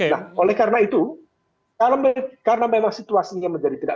nah oleh karena itu karena memang situasinya menjadi tidak